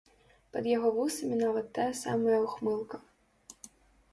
Пад яго вусамі нават тая самая ўхмылка.